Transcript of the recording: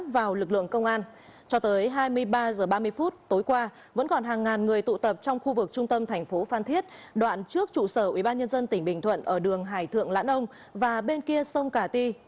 vẫn còn hàng ngàn người tụ tập trong khu vực trung tâm thành phố phan thiết đoạn trước trụ sở ubnd tỉnh bình thuận ở đường hải thượng lãn ông và bên kia sông cà ti